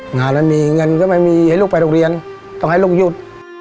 งานนั้นมีเงินก็ไม่มีให้ลูกไปโรงเรียนต้องให้ลูกหยุด